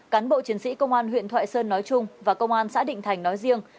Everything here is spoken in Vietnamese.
cán bộ chiến sĩ công an huyện thoại sơn nói chung và công an xã định thành nói riêng